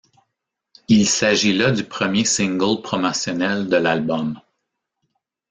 Il s'agit là du premier single promotionnel de l'album.